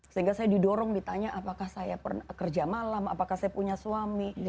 sehingga saya didorong ditanya apakah saya pernah kerja malam apakah saya punya suami